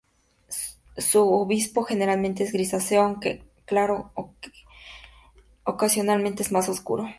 Su obispillo generalmente es grisáceo claro aunque ocasionalmente es más oscuro.